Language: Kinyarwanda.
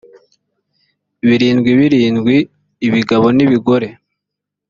birindwi birindwi ibigabo n ibigore